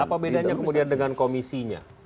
apa bedanya kemudian dengan komisinya